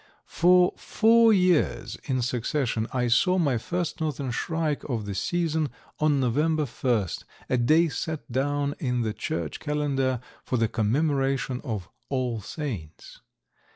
For four years in succession I saw my first Northern Shrike of the season on November first, a day set down in the Church Calendar for the commemoration of "All Saints."